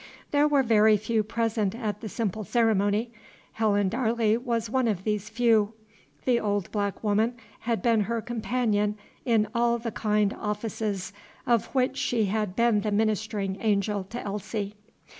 There were very few present at the simple ceremony. Helen Darley was one of these few. The old black woman had been her companion in all the kind offices of which she had been the ministering angel to Elsie.